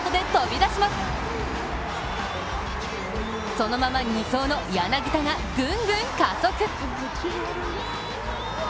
そのまま２走の柳田がグングン加速。